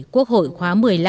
quốc hội khóa một mươi năm